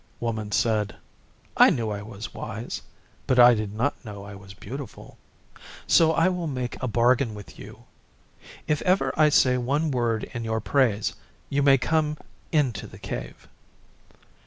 Woman said, 'I knew I was wise, but I did not know I was beautiful. So I will make a bargain with you. If ever I say one word in your praise you may come into the Cave.